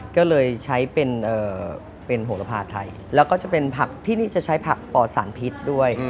ก็เลยใช้เป็นโหระพาไทยแล้วก็จะเป็นผักที่นี่จะใช้ผักปอดสารพิษด้วย